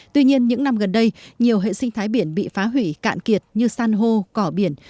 tuy nhiên những năm gần đây nhiều hệ sinh thái biển bị phá hủy cạn kiệt như san hô cỏ biển